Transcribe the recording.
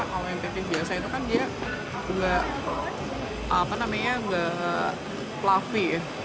kalau yang pancake biasa itu kan dia nggak fluffy